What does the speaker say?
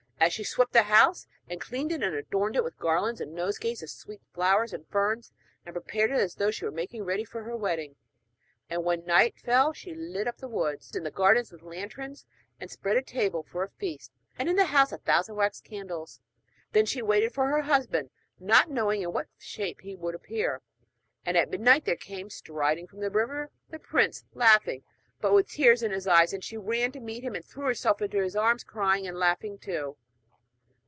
And she swept the house and cleaned it, and adorned it with garlands and nosegays of sweet flowers and ferns, and prepared it as though she were making ready for her wedding. And when night fell she lit up the woods and gardens with lanterns, and spread a table as for a feast, and lit in the house a thousand wax candles. Then she waited for her husband, not knowing in what shape he would appear. And at midnight there came striding from the river the prince, laughing, but with tears in his eyes; and she ran to meet him, and threw herself into his arms, crying and laughing too.